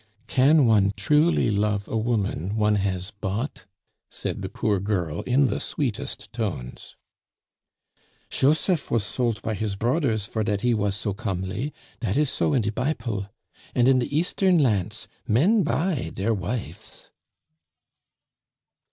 "Can one truly love a woman one has bought?" said the poor girl in the sweetest tones. "Choseph vas solt by his broders for dat he was so comely. Dat is so in de Biple. An' in de Eastern lants men buy deir wifes."